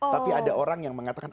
tapi ada orang yang mengatakan